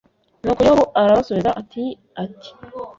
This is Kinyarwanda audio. nuko yobu arabasubiza ati ati